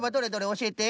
おしえて？